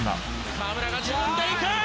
河村が自分で行く！